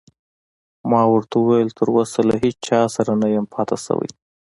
ما ورته وویل: تراوسه له هیڅ چا سره نه یم پاتې شوی.